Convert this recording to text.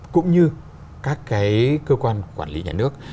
cũng như các cơ quan quản lý nhà nước